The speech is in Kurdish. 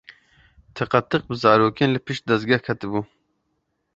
Tiqetiq bi zarokên li pişt dezgeh ketibû.